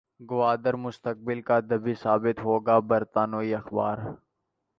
گوادر مستقبل کا دبئی ثابت ہوگا برطانوی اخبار